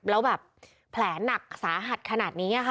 แล้วแบบแผลหนักสาหัสขนาดนี้ค่ะ